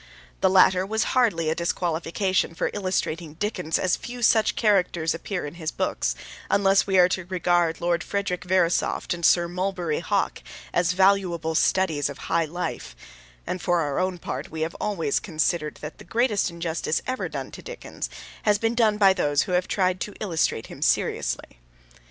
The latter was hardly a disqualification for illustrating Dickens as few such characters occur in his books, unless we are to regard Lord Frederick Verisopht and Sir Mulberry Hawk as valuable studies of high life; and, for our own part, we have always considered that the greatest injustice ever done to Dickens has been done by those who have tried to illustrate him seriously.